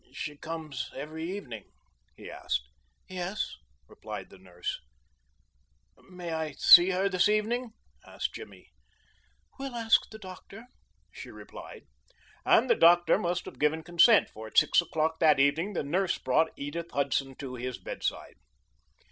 "She comes every evening?" he asked. "Yes," replied the nurse. "May I see her this evening?" asked Jimmy. "We'll ask the doctor," she replied; and the doctor must have given consent, for at six o'clock that evening the nurse brought Edith Hudson to his bedside.